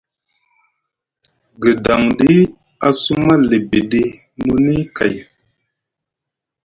Gdaŋɗi a suma libiɗi muni kay,